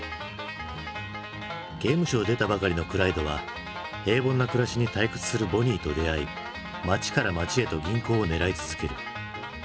刑務所を出たばかりのクライドは平凡な暮らしに退屈するボニーと出会い街から街へと銀行を狙い続ける。